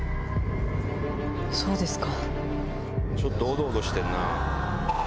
そうですか。